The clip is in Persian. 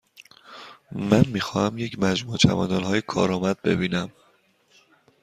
من می خواهم یک مجموعه چمدانهای کارآمد ببینم.